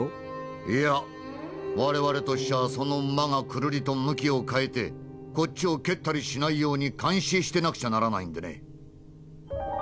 「いや我々としちゃその馬がくるりと向きを変えてこっちを蹴ったりしないように監視してなくちゃならないんでね」。